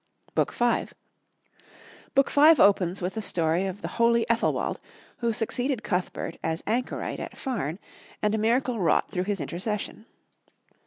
BOOK V.—Book V opens with the story of the holy Ethelwald, who succeeded Cuthbert as anchorite at Farne, and a miracle wrought through his intercession.